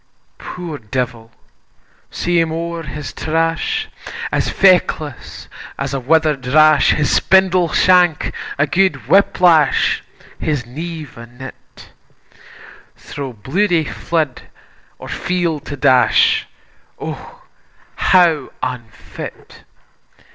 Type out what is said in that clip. Poor devil! see him owre his trash, As feckless as a wither'd rash, His spindle shank a guid whip lash, His nieve a nit; Thro' bloody flood or field to dash, O how unfit!